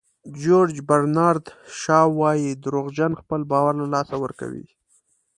جیورج برنارد شاو وایي دروغجن خپل باور له لاسه ورکوي.